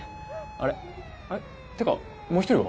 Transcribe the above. あれ？ってかもう１人は？